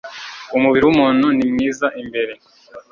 umubiri wumuntu ni mwiza imbere